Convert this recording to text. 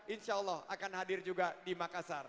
insya allah akan hadir juga di makassar